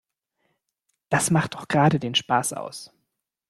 Das macht doch gerade den Spaß aus.